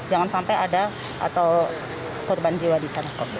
jangan sampai ada atau turban jiwa di sana